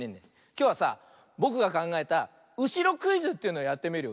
きょうはさぼくがかんがえた「うしろクイズ」というのやってみるよ。